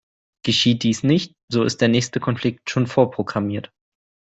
Geschieht dies nicht, so ist der nächste Konflikt schon vorprogrammiert.